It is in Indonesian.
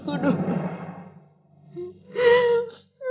aku harus gimana aku takut